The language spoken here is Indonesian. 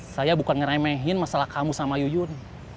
saya bukan ngeremehin masalah kamu sama yuyun